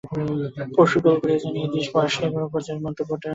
পরশু গোল করে জানিয়ে দিয়েছেন, বয়স নিয়ে কোচের মন্তব্যটা গায়েই লেগেছিল তাঁর।